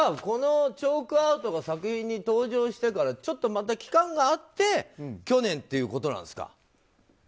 チョークアートが作品に登場してからちょっとまた期間があって去年ということなんですか。